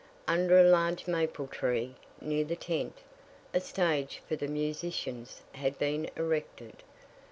Under a large maple tree, near the tent, a stage for the musicians had been erected.